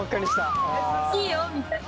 「いいよ」みたいな。